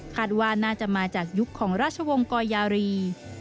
ว่าน่าจะมาจากยุคของราชวงศ์กอยารี